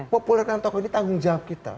populerkan tokoh ini tanggung jawab kita